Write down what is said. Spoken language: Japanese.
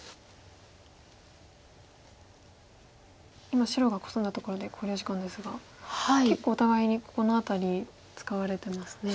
今白がコスんだところで考慮時間ですが結構お互いにこの辺り使われてますね。